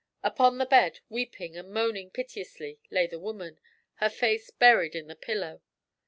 Upon the bed, weeping and moaning piteously, lay the woman, her face buried in the pillow.